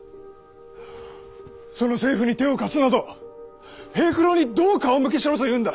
その政府に手を貸すなど平九郎にどう顔向けしろというんだ？